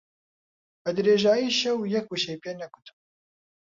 بە درێژایی شەو یەک وشەی پێ نەگوتم.